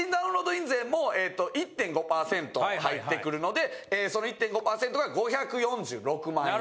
印税も１．５％入ってくるのでその１．５％が５４６万円。